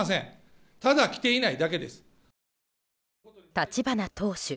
立花党首